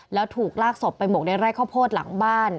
แล้วถูกลากศพไปหมกในไร่ข้าวโพดหลังบ้าน